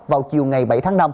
vào chiều ngày bảy tháng năm